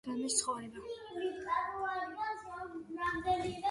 სუსტია ღამის ცხოვრება.